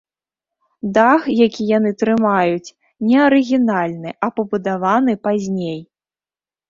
Дах, які яны трымаюць, не арыгінальны, а пабудаваны пазней.